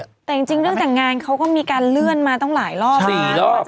แต่จริงจริงเรื่องแต่งงานเขาก็มีการเลื่อนมาต้องหลายรอบมาสี่รอบ